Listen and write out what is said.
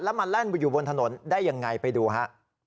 แล้วมาแล่นอยู่บนถนนได้ยังไงไปดูฮะ